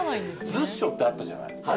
ずっしょってあったじゃない。